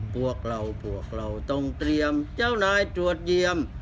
พวกเราพวกเราต้องเตรียมเจ้านายตรวจเยี่ยม